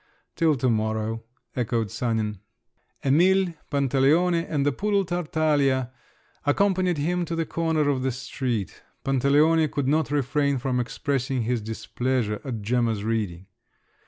"Till to morrow!" echoed Sanin. Emil, Pantaleone, and the poodle Tartaglia accompanied him to the corner of the street. Pantaleone could not refrain from expressing his displeasure at Gemma's reading.